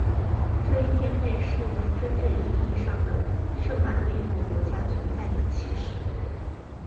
这一天被视为真正意义上的圣马力诺国家存在的起始。